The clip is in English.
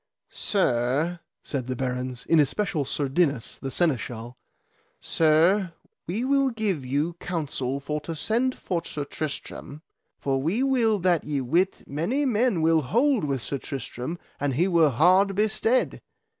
Sir, said the barons, in especial Sir Dinas, the Seneschal, Sir, we will give you counsel for to send for Sir Tristram, for we will that ye wit many men will hold with Sir Tristram an he were hard bestead.